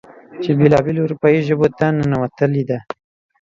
چې بېلا بېلو اروپايې ژبو ته ننوتلې ده.